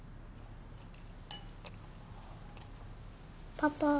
パパ。